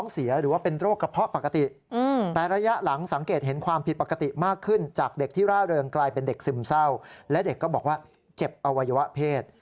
ซึมเศร้าและเด็กก็บอกว่าเจ็บอวัยวะเพศ